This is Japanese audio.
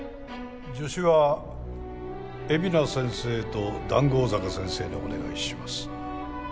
助手は海老名先生と談合坂先生にお願いします。